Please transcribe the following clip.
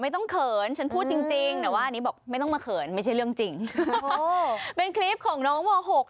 ตัวยิ่งมีเสน่ห์